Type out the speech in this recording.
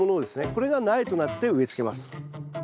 これが苗となって植え付けます。